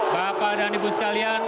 bapak dan ibu sekalian